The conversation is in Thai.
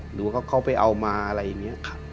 หรือว่าเขาไปเอามาอะไรอย่างนี้ครับ